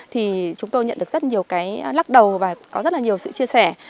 thì chúng tôi nhận được rất nhiều cái lắc đầu và có rất là nhiều sự chia sẻ